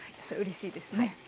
それうれしいですね。